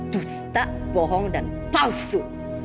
dusta bohong dan palsu